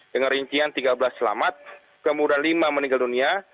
dengan rincian tiga belas selamat kemudian lima meninggal dunia